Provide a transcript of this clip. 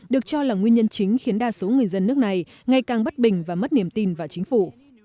được cho là nguyên nhân chính khiến đa số người dân nước này ngày càng bất bình và mất niềm tin vào chính phủ